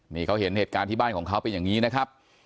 นี่เขาเห็นเหตุการณ์ที่บ้านของเขาเป็นอย่างนี้นะครับ